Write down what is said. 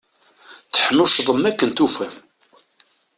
Teḥnuccḍem akken tufam.